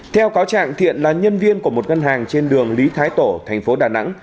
theo cáo trạng thiện là nhân viên của một ngân hàng trên đường lý thái tổ tp đà nẵng